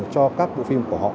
cho các bộ phim của họ